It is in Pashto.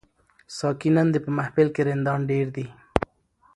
ساقي نن دي په محفل کي رندان ډیر دي